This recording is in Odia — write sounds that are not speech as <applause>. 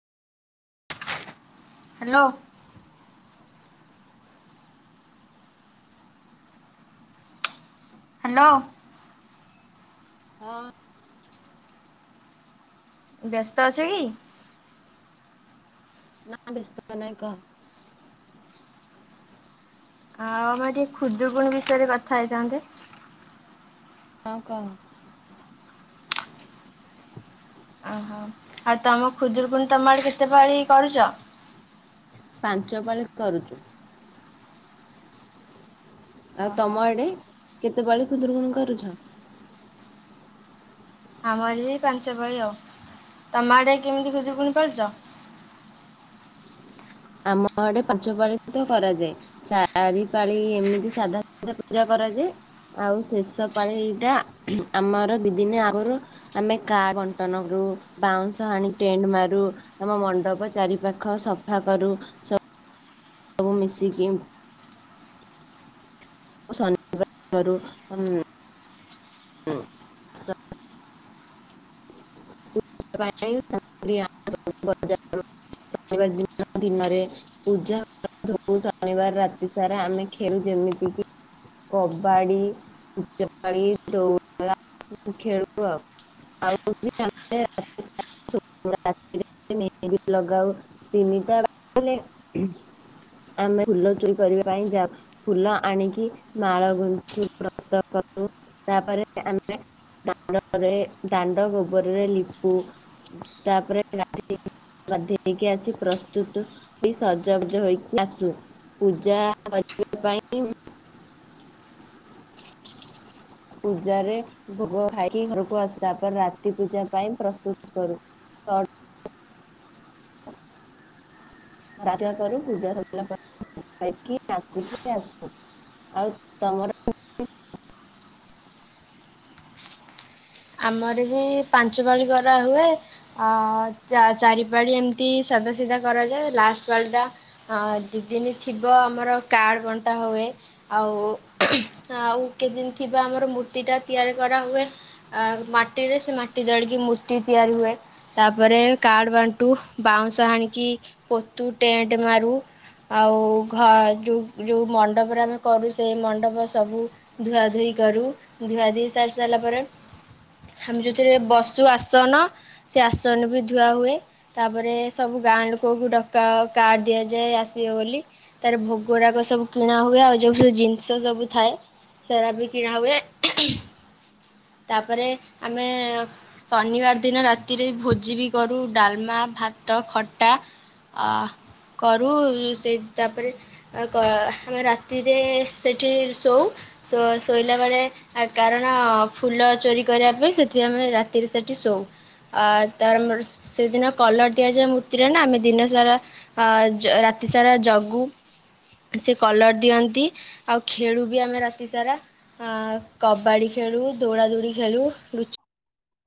ହ୍ୟାଲୋ। ହ୍ୟାଲୋ। ହଁ। ବ୍ୟସ୍ତ ଅଛୁ କି? ନାଁ ବ୍ୟସ୍ତ ନାହିଁ କହ? ଆଉ ଆମେ ଟିକେ ଖୁଦୁରୁକୁଣି ବିଷୟରେ କଥା ହେଇଥାନ୍ତେ? ହଁ କହ? ଆହା ଆଉ ତମ ଖୁଦୁରକୁଣି ତମ ଆଡେ କେତେପାଳି କରୁଛ? ପାଞ୍ଚ ପାଳି କରୁଛୁ। ଆଉ ଓହୋ। ତମ ଆଡେ କେତେପାଳି ଖୁଦୂରୁକୁଣି କରୁଛ? ଆମର ବି ପାଞ୍ଚ ପାଳି ଆଉ ତମ ଆଡେ କେମିତି ଖୁଦୁରୁକୁଣୀ ପାଳୁଛ? ଆମ ଆଡେ ପାଞ୍ଚ ପାଳି ତ କରାଯାଏ। ଚାରି ପାଳି ଏମିତି ସାଧା ସାଧା ପୂଜା କରାଯାଏ। ଆଉ ଶେଷ ପାଳିଟା ଆମର ଦି ଦିନି ଆଗରୁ ଆମେ କାର୍ଡ ବଣ୍ଟନ କରୁ ବାଉଁଶ ଆଣି ଟେଣ୍ଟ ମାରୁ ଆମ ମଣ୍ଡପ ଚାରି ପାଖ ସଫା କରୁ। ସବୁ ମିଶିକି <inaudible> <inaudible> <inaudible> ଶନିବାର ଦିନ ଦିନରେ ପୂଜା <inaudible> ଶନିବାର ରାତି ସାରା ଆମେ ଖେଳୁ ଯେମିତି କି? କବାଡ଼ି, ଲୁଚକାଳି <inaudible> ଖେଳୁ ଆଉ <inaudible> <inaudible> ଆମେ ଫୁଲ ଚୋରି କରିବା ପାଇଁ ଯାଉ। ଫୁଲ ଆଣିକି ମାଳ ଗୁନ୍ଥୁ ବ୍ରତ କରୁ ତାପରେ ଆମେ ଦାଣ୍ଡରେ ଦାଣ୍ଡ ଗୋବରରେ ଲିପୁ ତାପରେ <inaudible> ଗାଧେଇକି ଆସି ପ୍ରସ୍ତୁତୁ ବି ସଜବାଜ ହେଇକି ଆସୁ ପୂଜା କରିବା ପାଇଁ <inaudible> <inaudible> ପୂଜାରେ ଭୋଗ ଖାଇକି ଘରୁକୁ ଆସିଥାଉ। ରାତି ପୂଜା ପାଇଁ ପ୍ରସ୍ତୁତ କରୁ। ପୂଜା କରୁ ପୂଜା ସରିଲା ପରେ ଯାଇକି ନାଚିକି ଆସୁ। ଆଉ ତମର। ଆମର ବି ପାଞ୍ଚ ପାଳି କରାହୁଏ। ଅ ଚାରିପାଳି ଏମିତି ସାଧା ସିଧା କରାଯାଏ ଲାଷ୍ଟ ପାଳି ଟା ହଁ ଦି ଦିନ ଥିବ ଆମର କାର୍ଡ ବଣ୍ଟା ହୁଏ। ଆଉ ଆଉ କେତଦିନ ଥିବା ଆମର ମୂର୍ତ୍ତିଟା ତିଆରି କରାହୁଏ। ଆ ମାଟିରେ ସେ ମାଟି ଧରିକି ମୂର୍ତ୍ତି ତିଆରି ହୁଏ। ତାପରେ କାର୍ଡ ବାଣ୍ଟୁ ବାଉଁଶ ହାଣିକି ପୋତୁ ଟେଣ୍ଟ ମାରୁ। ଆଉ ଘ ଯୋଉ ଯୋଉ ମଣ୍ଡପରେ ଆମେ କରୁ ସେଇ ମଣ୍ଡପ ସବୁ ଧୁଆଧୁଇ କରୁ ଧୁଆଧୁଇ ସାରି ସାରିଲା ପରେ। ଆମେ ଯୋଉଥିରେ ବସୁ ଆସନ ସେ ଆସନ ବି ଧୁଆ ହୁଏ। ତାପରେ ସବୁ ଗାଁ ଲୋକଙ୍କୁ ଡକା କାର୍ଡ ଦିଆଯାଏ ଆସିବେ ବୋଲି। ତାର ଭୋଗରାଗ ସବୁ କିଣା ହୁଏ ଆଉ ଯୋଉ ସବୁ ଜିନିଷ ସବୁ ଥାଏ। ସେରା ବି କିଣା ହୁଏ। ତାପରେ ଆମେ ଶନିବାର ଦିନ ରାତିରେ ଭୋଜି ବି କରୁ ଡାଲମା ଭାତ ଖଟା। ଆଃ କରୁ ସେଇ ତାପରେ ଆମେ ରାତିରେ ସେଠି ଶୋଉ। ଶୋ ଶୋଇଲା ବେଳେ କାରଣ ଫୁଲ ଚୋରି କରିବା ପାଇଁ ସେଥି ଆମେ ରାତିରେ ସେଠି ଶୋଉ। ଆ ତାର ସେଦିନ କଲର ଦିଆଯାଏ ମୂର୍ତ୍ତିରେ ନା ଆମେ ଦିନ ସାରା ଅ ରାତି ସାରା ଜଗୁ। ସେ କଲର ଦିଅନ୍ତି ଆଉ ଖେଳୁ ବି ଆମେ ରାତି ସାରା। ଆ କବାଡି ଖେଳୁ ଦୌଡା ଦୌଡ଼ି ଖେଳୁ ଲୁଚ